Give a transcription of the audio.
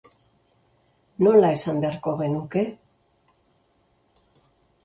Nola esan beharko genuke?